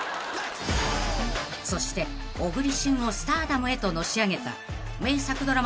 ［そして小栗旬をスターダムへとのし上げた］